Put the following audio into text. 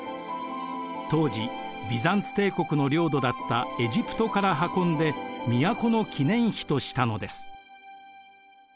当時ビザンツ帝国の領土だったエジプトから運んで都の記念碑としたのです。